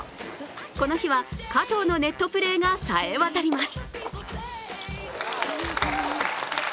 この日は加藤のネットプレーがさえわたります